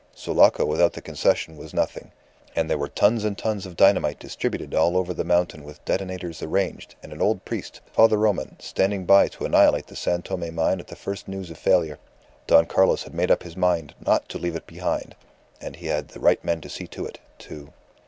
Sulaco without the Concession was nothing; and there were tons and tons of dynamite distributed all over the mountain with detonators arranged, and an old priest, Father Roman, standing by to annihilate the San Tome mine at the first news of failure. Don Carlos had made up his mind not to leave it behind, and he had the right men to see to it, too."